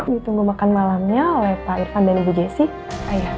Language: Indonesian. ditunggu makan malamnya oleh pak irfan dan ibu jessi